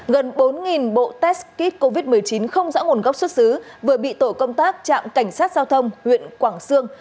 gần bốn bộ test kit covid một mươi chín không rõ nguồn gốc xuất xứ vừa bị tổ công tác trạm cảnh sát giao thông huyện quảng sương